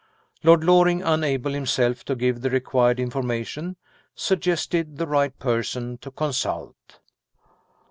Lord Loring, unable himself to give the required information, suggested the right person to consult.